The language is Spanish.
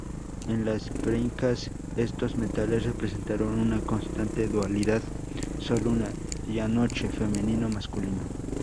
En las preincas, estos metales representaron una constante dualidad sol-luna, día-noche, femenino-masculino.